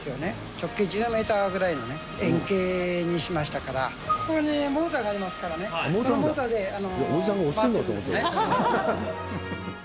直径１０メートルぐらいの円形にしましたから、ここにモーターがありますからね、このモーターで回ってるんですよね。